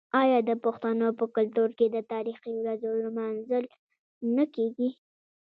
آیا د پښتنو په کلتور کې د تاریخي ورځو لمانځل نه کیږي؟